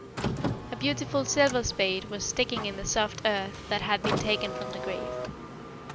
A beautiful silver spade was sticking in the soft earth that had been taken from the grave.